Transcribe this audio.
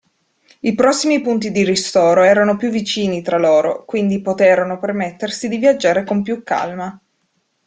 I prossimi punti di ristoro erano più vicini tra loro, quindi poterono permettersi di viaggiare con più calma.